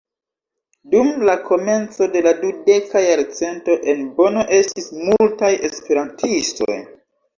Dum la komenco de la dudeka jarcento en Bono estis multaj esperantistoj.